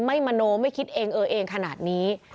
มโนไม่คิดเองเออเองขนาดนี้